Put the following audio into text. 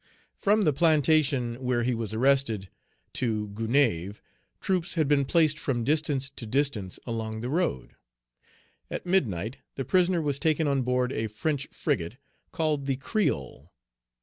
From the plantation where he was arrested to Gonaïves, troops had been placed from distance to distance along the road. At midnight, the prisoner was taken on board a French frigate, called the "Creole."